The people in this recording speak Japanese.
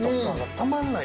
たまんない！